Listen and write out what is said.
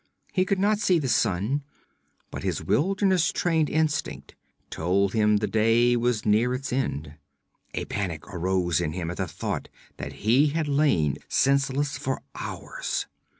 He could not see the sun, but his wilderness trained instinct told him the day was near its end. A panic rose in him at the thought that he had lain senseless for hours.